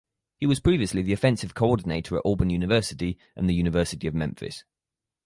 He was previously the offensive coordinator at Auburn University and the University of Memphis.